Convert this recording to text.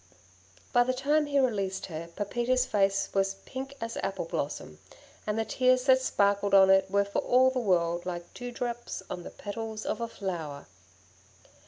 By the time he released her, Pepita's face was pink as apple blossom, and the tears that sparkled on it were for all the world like dewdrops on the petals of a flower.